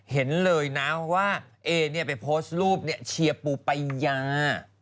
เห็นเลยนะว่าเอ๋ไปโพสต์รูปเชียร์ปูปายา